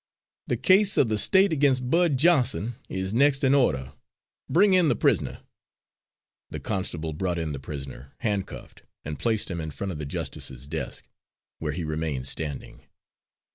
"The case of the State against Bud Johnson is next in order. Bring in the prisoner." The constable brought in the prisoner, handcuffed, and placed him in front of the Justice's desk, where he remained standing.